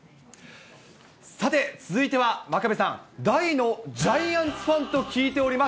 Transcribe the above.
さて、続いては真壁さん、大のジャイアンツファンと聞いております。